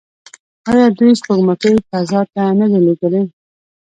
آیا دوی سپوږمکۍ فضا ته نه دي لیږلي؟